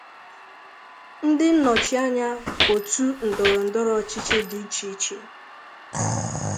ndị nnọchianya otu ndọrọndọrọ ọchịchị dị iche iche